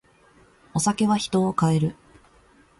お酒は人を変える。